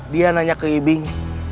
dia nanya ke ibing